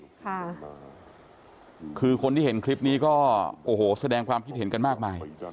ค่ะคือคนที่เห็นคลิปนี้ก็โอ้โหแสดงความคิดเห็นกันมากมาย